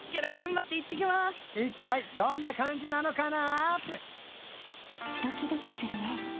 一体どんな感じなのかな？